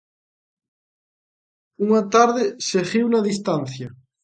Unha tarde seguiuna a distancia.